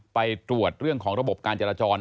ไปตรวจเรื่องของระบบการจราจร